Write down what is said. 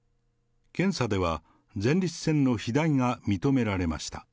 検査では、前立腺の肥大が認められました。